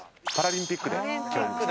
パラリンピックで。